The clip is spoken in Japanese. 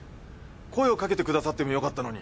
声をかけてくださってもよかったのに。